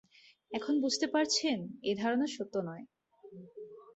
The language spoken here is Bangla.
এখন বুঝতে পারছেন, এ ধারণা সত্য নয়।